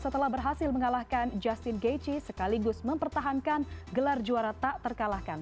setelah berhasil mengalahkan justin gaichi sekaligus mempertahankan gelar juara tak terkalahkan